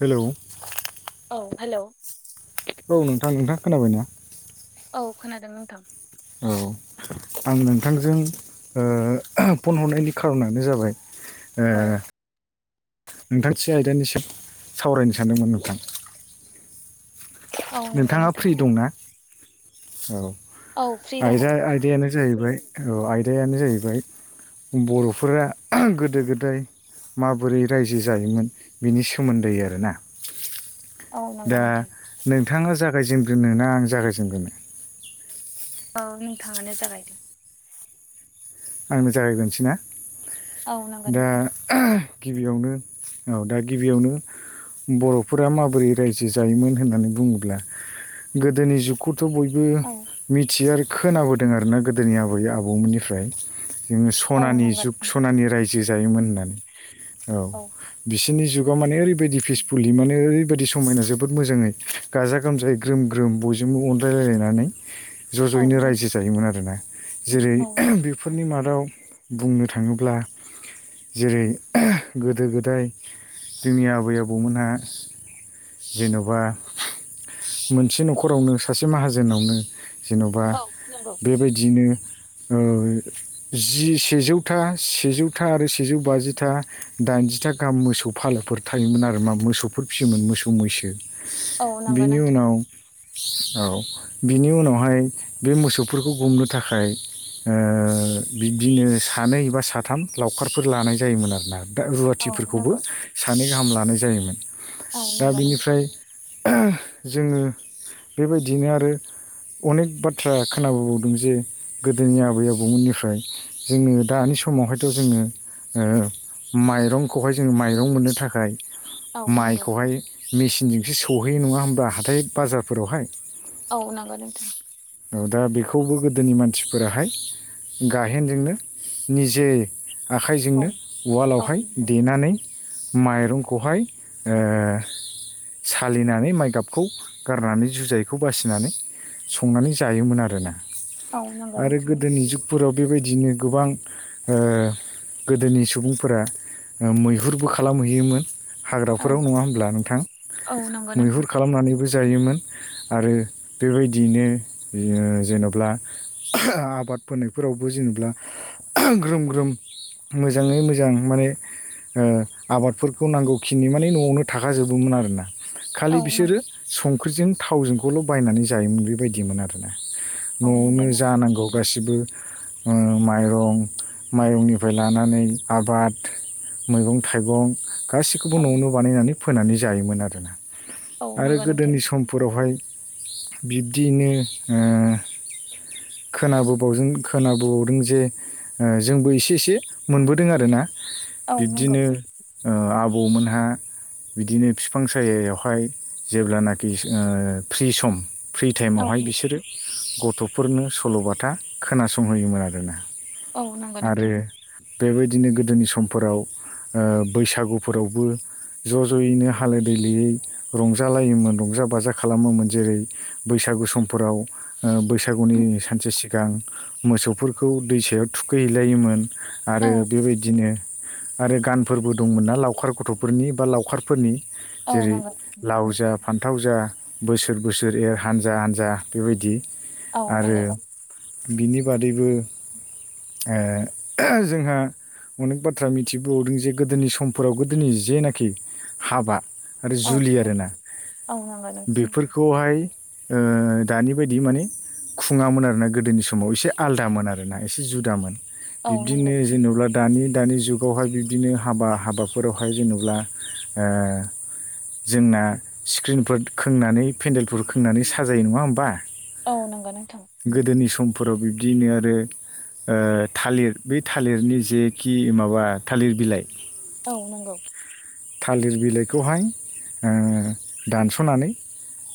Hello औ hello औ नोंथां नोंथां खोनाबाय ना? औ खोनादों नोंथां। औ आं नोंथांजों फन हरनायनि खारनानो जाबाय ओ औ नोंथांसे आयदानि सम सावरायनो सानदोंमोन नोंथां औ नंगौ नोंथाङा नोंथां फ्रि दंना? फ्रि औ दङ जाय आयदायानो जाहैबाय आयदायानो जाहैबाय बर'फोरा गोदो गोदाय माबोरै रायजो जायोमोन बिनि सोमोन्दै आरोना औ नंगौ दा नोंथां नोंथाङा जागायजेनग्रोनो ना आं जागायजेनग्रोनो? औ नोंथाङानो जागायदो। आंनो जागायगोनसै ना औ नंगौ दा नोंथां गिबियावनो औ दा गिबियावनो बर'फोरा माबोरै रायजो जायोमोन होननानै बुङोब्ला गोदोनि जुगखौ थ' बयबो औ मिथियो आरो खोनाबोदों आरोना गोदोनि आबै आबौमोननिफ्राय जोङो औ सनानि नंगौ जुग सनानि रायजो जायोमोन होननानै औ बि बिसिनि जुगाव माने ओरैबायदि फिसफुलि मानेओरैबायदि समायना जोबोद मोजाङै गाजा गोमजायै ग्रोम ग्रोम बयजोंबो अनलाय‌ लायनानै ज' औ ज'यैनो नंगौ रायजो जायोमोन आरोना जेरै औ नंगौ फोरनि मादाव बुंनो थाङोब्ला जेरै गोदो गोदाय जोंनि आबै आबौमोनहा जेन'बा मोनसे न'खरावनो सासे माहाजोनावनो जेन'बा औ नंगौ बेबायदियनो जि सेजौथा सेजौथा आरो सेजौ बाजिथा‌ दाइनजिथा गाहाम मोसौ मोसौ फालोफोर थायोमोन आरो मा मोसौफोर फिसियोमोन मोसौ मैसो औ नंगौ बिनि नोंथां उनाव औ बिनि उनावहाय बे मोसौफोरखौ गुमनो थाखाय बिब्दिनो सानै बा साथाम लावखारफोर लानाय जायोमोन आरोना दाहोना औ रुवाथिफोरखौबो नंगौ सानै गाहाम लानाय जायोमोन औ दा नंगौ नोंथां बिनिफ्राय जोङो बेबायदिनो आरो अनेक बाथ्रा खोनाबोबावदों जे गोदोनि आबै आबौमोननिफ्राय ओमफ्राय जोङो दानि समावहायथ' जोङो माइरंखौहाय जोङो माइरं मोननो थाखाय औ नंगौ माइखौहाय मेसिनजोंसो सौहैयो नङा होमबा हाथाय बाजारफोरावहाय औ नांगौ नोंथां औ दा बेखौबो गोदोनि मानसिफोराहाय गायेनजोंनो निजे औ आखाइजोंनो औ उवालावहाय देनानै माइरंखौहाय सालिनानै माइ गाबखौ गारनानै जुजायखौ बासिनानै संनानै जायोमोन आरोना औ नंगौ नोंथां फोराव बेबायदिनो गोबां गोदोनि सुबुंफोरा मैहुरबो खालामहैयोमोन औ हाग्राफोराव नङा होमब्ला नोंथां औ नंगौ मैहुर नोंथां खालामनानै ब जायोमोन आरो बेबायदियैनो जेन'ब्ला आबाद फोननायफोरावबो जेनेबा ग्रोम ग्रोम मोजाङै मोजां माने आबादफोरखौ नांगौ खिनि माने न'आवनो थाखाजोबोमोन आरोना खालि औ बिसोरो नंगौ संख्रिजों थावजोंखौल' बायनानै जायोमोन बेबायदिमोन आरोना औ नंगौ नआवनो नोंथां जानांगौ गासिबो माइरं माइरंनिफ्राय लानानै आबाद मैगं थाइगं गासैखौबो औ न'आवनो बानायनानै फोनानै जायोमोन आरोना औ आरो नंगौ नोंथां गोदोनि समफोरावहाय बिब्दियैनो ओ खोनाबो बावजों खोनाबोबावदों जे जोंबो एसे एसे मोनबोदों आरोना औ नंगौ बिब्दिनो ओ आबौमोनहा बिदिनो फिफां सायायावहाय जेब्लानाखि ओ फ्रि सम फ्रि औ टाइमावहाय बिसोरो गथफोरनो सल'बाथा खोनासंहोयोमोन आरोना औ नांगौ आरो नोंथां बेबायदिनो गोदोनि समफोराव ओ बैसागुफोरावबो ज' ज'यैनो हालो दैलोयै रंजालायोमोन रंजा बाजा खालामोमोन जेरै बैसा गु समफोराव ओ बैसागुनि सानसे सिगां मोसौफोरखौ दैसायाव थुखैहैलायोमोन औ आरो बेबायदिनो आरो गानफोरबो दंमोन ना लावखार गथ'फोरनि बा लावखारफोरनि औ जेरै नंगौ लावजा फान्थाव जा बोसोर बोसोर एर हानजा हानजा बेबायदि औ आरो नोंगौ बिनि बादैबो ओ जोंहा अनेक बाथ्रा मिथिबावदों जे गोदोनि समफोराव गोदोनि जेनाखि हाबा आरो औ जुलि नंगौ आरोना औ नंगौ नों बेफोरखौहाय ओ दानि बायदि माने खुङामोन आरोना गोदोनि समाव एसे आलदामोन आरोना एसे जुदामोन औ नंगौ बिब्दिनो जेनेबा दानि दानि जुगावहाय बिब्दिनो हाबा हाबाफोरावहाय जेनब्ला ओ जोंना स्क्रिनफोर खोंनानै पेन्देलफोर खोंनानै साजायो नङा होमबा? औ नंगौ नोंथां गोदोनि समफोराव बिब्दियैनो आरो ओ थालिर बे थालिरनि जेखि माबा थालिर बिलाइ औ नंगौ थालिर बिलाइखौहाय ओ दानसनानै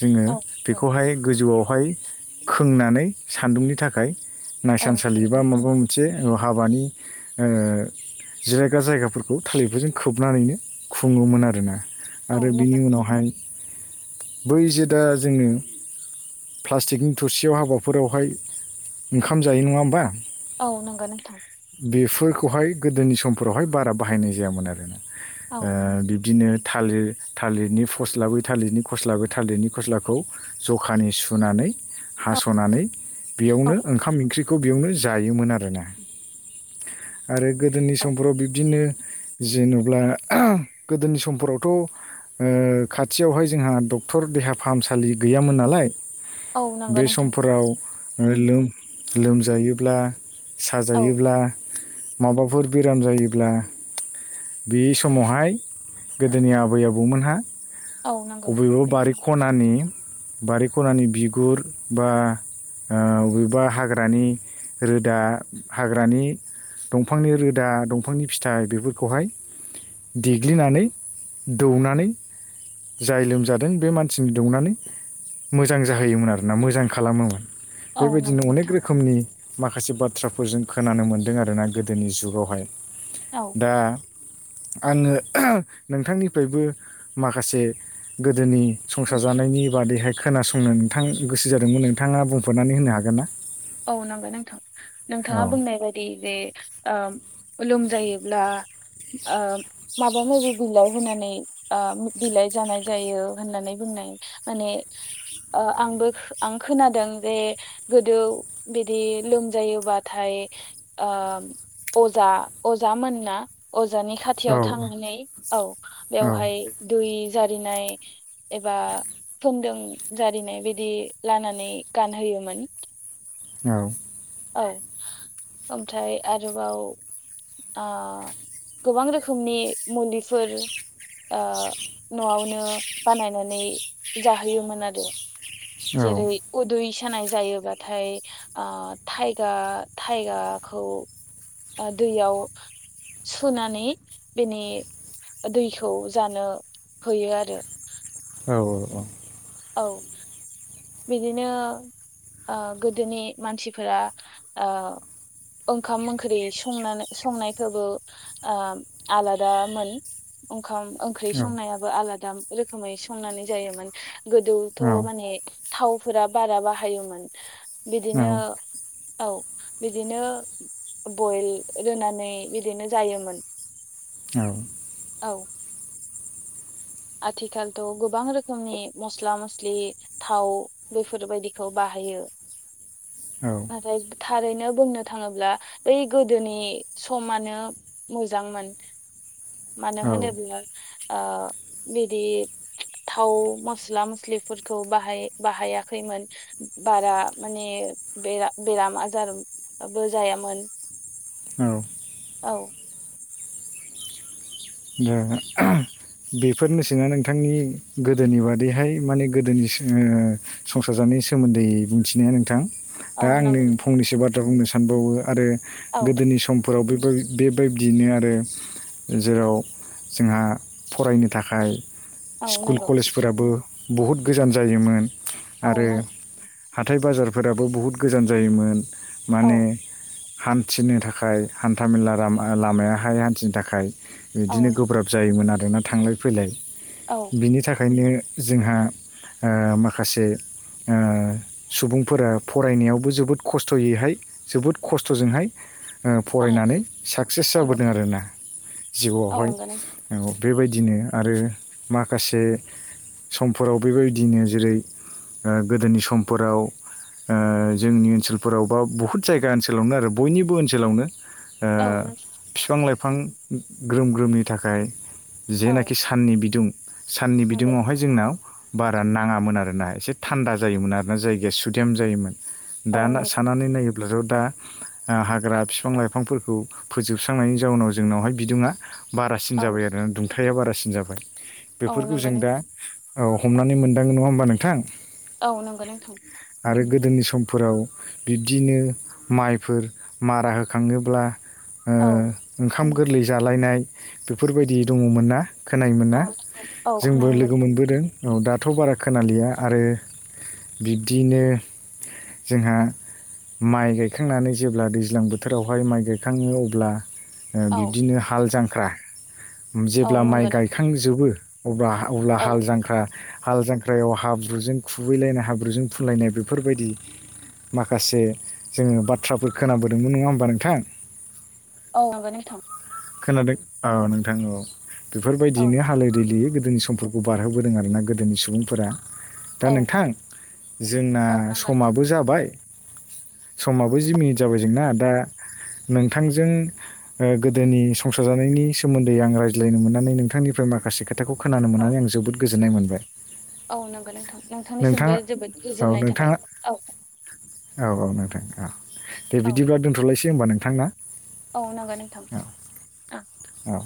जोङो औ नंगौ बेखौहाय गोजौआवहाय खोंनानै सान्दुंनि थाखाय औ नायसानसालि बा माबा मोनसे हाबानि ओ जिरायग्रा जायगाफोरखौ थालिरफोरजों खोबनानैनो खुङोमोन आरोना आरो बिनि नंगौ उनावहाय बै जो दा जोङो प्लास्टिकनि थोरसियाव हाबाफोरावहाय ओंखाम जायो नङा होमबा औ नोंगौ नोंथां बेफोरखौहाय गोदोनि समफोरावहाय बारा बाहायनाय जायामोन आरोनाओ औ बिब्दिनो थालिर थालिरनि फस्लाबै थालिरनि खस्ला बै थालिरनि खस्लाखौ जखानि सुनानै औ हासनानै औ बेयावनो ओंखाम ओंख्रिखौ बेयावनो जायोमोन आरोना आरो गोदोनि औ समफोराव बिब्दिनो जेनब्ला गोदोनि समफोरावथ ओ खाथियावहाय जोंहा डक्टर देहा फाहामसालि गैयामोन नालाय औ नंगौ बे नोंथां समफोराव लोम-लोमजायोब्ला औ साजायोब्ला माबाफोर बेराम जायोब्ला बे समावहाय गोदोनि आबै आबौमोनहा औ नंगौ अबेबा बारि खनानि बारि खनानि बिगुर बा ओ बबेबा हाग्रानि रोदा हाग्रानि दंफांनि रोदा दंफांनि फिथाइ बेफोरखौहाय देग्लिनानै दौनानै जाय लोमजादों बे मानसिनि दौनानै मोजां जाहोयोमोन आरोना मोजां खालामोमोन। औ बेबायदिनो नंगौ अनेक नोंथां रोखोमनि माखासे बाथ्राफोरजों खोनानो मोनदों आरोना गोदोनि जुगावहाय औ दा आङो नोंथांनिफ्रायबो माखासे गोदोनि संसार जानायनि बादैहाय खोनासंनो नोंथां गोसो जादोंमोन नोंथाङा बुंफोरनानै होनो हागोन ना? औ नांगौ नोंथां नोंथाङा औ बुंनाय बायदि बे लोमजायोब्ला माबा माबि बिलाइ होनानै बिलाइ जानाय जायो होननानै बुङो। माने आंबो आं खोनादों जे गोदो बिदि लोमजायोबाथाय ओम अजा अजामोन ना अ। जानि औ खाथियाव थांनानै औ औ बेवहाय दै जारिनाय एबा होनदों जारिनाय बिदि लानानै गानहोयोमोन। औ। औ ओमफ्राय आरोबाव गोबां रोखोमनि मुलिफोर अ न'आवनो बानायनानै जाहोयोमोन आरो। औ जेरै उदै सा नाय जायोबाथाय थायगा थायगाखौ दैयाव सुनानै बेनि दैखौ जानो होयो आरो। औ औ। बिदिनो गोदोनि मानसिफोरा ओ ओंखाम ओंख्रि संनानै संनायखौबो आलादामोन [inaudible] ओंखाम ओंख्रि संनायाबो आलादा रोखोमै संनानै जायोमोन गोदौथ' माने थावफोरा बारा बाहायोमोन बिदिनो औ बिदिनो बयल रोनानै बिदिनो जायोमोन। औ। औ। आथिखालथ' गोबां रोखोमनि मस्ला मस्लि थाव बेफोरबायदिखौ बाहा हायो औ नाथाय थारैनो बुंनो थाङोब्ला बै गोदोनि समानो मोजांमोन। मानो औ होनोब्ला ओ बिदि थाव मस्ला मस्लिफोरखौ बाहाय बाहायाखैमोन बारा माने बे बेराम आजार बबो जायामोन औ। औ। [unintelligible] बेफोरनिेसिंना नोंथांनि गोदोनि बादैहाय माने गोदोनि संसार जानाय नि सोमोन्दै बुंथिनाया नोंथां औ दा आंनो नंगौ फंनैसो बाथ्रा बुंनो सानबावो आरो औ गोदोनि सम फोराव बे बेबायदियैनो आरो जेराव जोंहा फरायनो थाखाय औ स्कुल नंगौ कलेजफोराबो बहुद गोजान जायोमोन औ आरो नंगौ हाथाय बाजारफोराबो बुहुत गोजान जायोमोन औ माने हान्थिनो थाखाय हान्थाामेला लामायाहाय हान्थिनो थाखाय औ बिदिनो गोब्राब जायोमोन आरोना थांलाय फैलाय औ बिनि थाखायनो जोंहा माखासे सुबुंफोरा फरायनायावबो जोबोद खस्थ'यैहाय जोबोद खस्थ'जोंहाय औ फरायनानै साकसेस नंगौ जाबोदों आरोना औ जिउआवहाय नंगौ नोंथां उम। बेबायदिनो आरो माखासे समफोराव बेबायदिनो जेरै ओ गोदोनि समफोराव उम जोंनि ओनसोलफोराव बा बहुत जायगा ओनसोलावनो आरो बयनिबो ओनसोलावनो ओ फिफां लाइफां ग्रोम ग्रोमनि थाखाय औ जेनाखि साननि बिदुं साननि नों बिदुङावहाय जोंनाव बारा नाङामोन आरोना एसे थान्दा जायोमोन आर ना जायगाया सुदेम जायोमोन। औ दान नंगौ साननानै नायोब्लाथ' दा ओ हाग्रा फिफां लाइफांफोरखौ फोजोबस्रांनायनि जाउनाव जोंनावहाय बिदुङा बारासिन औ नंगौ जाबाय आरो ना दुंथाया बारासिन जाबाय। औ बेफोरखौ नंगौ जों दा नोंथां औ हमनानै मोनदाङो नङा होमबा नोंथां। औ नंगौ नोंथां। आरो गोदोनि समफोराव बिब्दिनो माइफोर मारा होखाङोब्ला ओ औ ओंखाम गोरलै जालायनाय बेफोरबायदि दङमोन ना खोनायो मो ना औ औ जोंबो खोनानो लोगो मोनदों मोनबोदों औ दाथ' बारा खोनालिया आरो बिब्दिनो जोंहा माइ गायखांनानै जेब्ला दैज्लां बोथोरावहाय माइ गायखाङो अब्ला ओ औ बिब्दिनो हाल जांख्रा औ जेब्ला माइ नंगौ नोंथां गायखांजोबो अब्ला अब्ला औ हाल जांख्रा हाल जांख्रायाव हाब्रुजों खुबैलायनाय हाब्रुजों फुनलायनाय बेफोरबायदि माखासे जोङो बाथ्राफोर खोनाबोदोंमोन नङा होमबा नोंथां। औ नंगौ नोंथां। खोनादों औ नोंथां औ औ बेफोरबायदियैनो हालो दैलोयै गोदो नि समफोरखौ बारहोबोदों आरो ना गोदोनि सुबुंफोरा। दा औ नोंथां जोंना औ नंगौ समाबो जाबाय समाबो जि मिनिट जाबाय जोंना दा नोंथांजों ओ गोदोनि संसार जानायनि सोमोन्दै आं रायज्लायनो मोननानै नोंथांनिफ्राय माखासे खोथाखौ खोनानो औ मोननानै आं जोबोद गोजोननाय मोन। औ नंगौ नोंथां नोंथांनिसिमबो नोंथाङा जोबोद औ गोजोननाय थाबाय। नोंथाङा औ आ दे औ बिदिब्ला दोन्थ'लायसै होमबा नोंथां ना। औ नंगौ नोंथां औ अ। औ